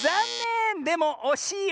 でもおしいよ。